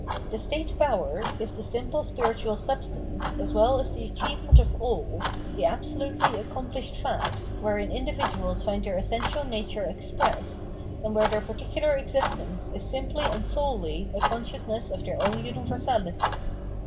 The state power is the simple spiritual substance, as well as the achievement of all, the absolutely accomplished fact, wherein individuals find their essential nature expressed, and where their 501 Culture and its Sphere of Reality particular existence is simply and solely a consciousness of their own universality.